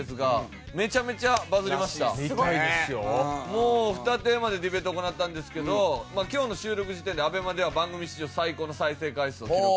もう２テーマでディベート行ったんですけど今日の収録時点でＡＢＥＭＡでは番組史上最高の再生回数を記録。